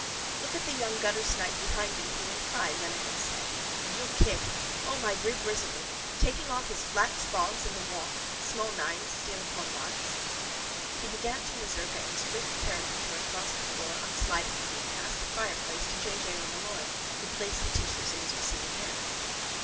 —Look at the young guttersnipe behind him hue and cry, Lenehan said, and you'll kick. O, my rib risible! Taking off his flat spaugs and the walk. Small nines. Steal upon larks. He began to mazurka in swift caricature across the floor on sliding feet past the fireplace to J. J. O'Molloy who placed the tissues in his receiving hands.